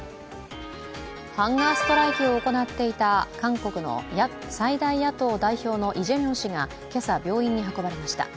ハンガーストライキを行っていた韓国の最大野党代表のイ・ジェミョン氏が今朝、病院に運ばれました。